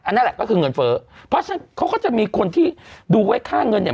นั่นแหละก็คือเงินเฟ้อเพราะฉะนั้นเขาก็จะมีคนที่ดูไว้ค่าเงินเนี่ย